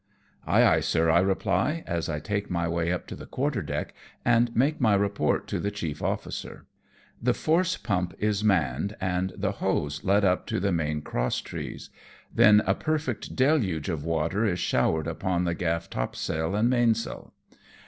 " Ay ! ay ! sir," I reply, as I take my way up to the quarter deck, and make my report to the chief officer. The force pump is manned, and the hose led up to R 242 AMONG TYPHOONS AND PIRATE CRAFT. the main cross trees ; then a perfect deluge of water is showered upon the gaff topsail and mainsail.